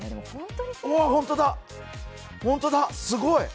本当だ、すごい！